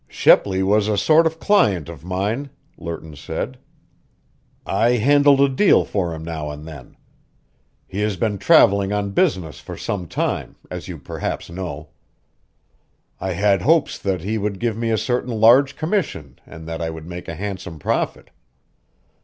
"Shepley was a sort of client of mine," Lerton said. "I handled a deal for him now and then. He has been traveling on business for some time, as you perhaps know. I had hopes that he would give me a certain large commission and that I would make a handsome profit.